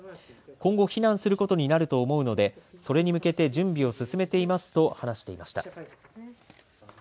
今後、避難することになると思うのでそれに向けて準備を進めていますと話していました。